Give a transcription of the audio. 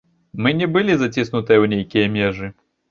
Мы не былі заціснуты ў нейкія межы.